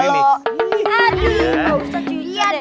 aduh pak ustadz juga deh